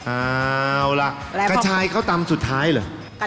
เอาล่ะกระชายเขาตำสุดท้ายเหรอ